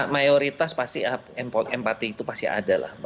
mayoritas pasti empati itu pasti ada lah